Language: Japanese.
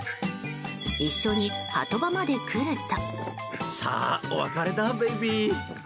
一緒に波止場まで来ると。